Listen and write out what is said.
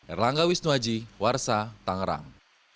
erlangga wisnuaji warsa tangerang